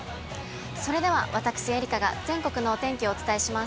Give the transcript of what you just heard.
それでは私、愛花が全国のお天気をお伝えします。